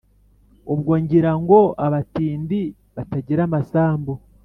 Ubwo ngira ngo abatindiBatagira amasambu